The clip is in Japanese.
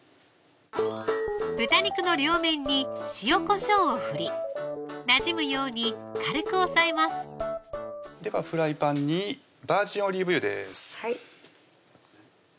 豚肉の両面に塩・こしょうを振りなじむように軽く押さえますではフライパンにバージンオリーブ油です